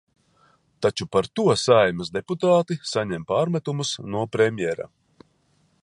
Taču par to Saeimas deputāti saņem pārmetumus no premjera.